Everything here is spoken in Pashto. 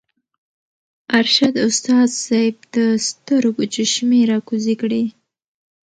ارشد استاذ صېب د سترګو چشمې راکوزې کړې